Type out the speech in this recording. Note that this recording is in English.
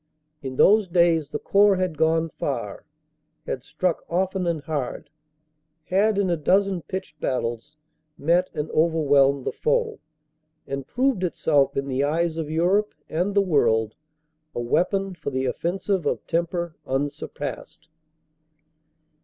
In those days the Corps had gone far; had struck often and hard; had in a dozen pitched battles met and overwhelmed the foe; and proved itself in the eyes of Europe and the world a weapon for the offensive of temper unsurpassed.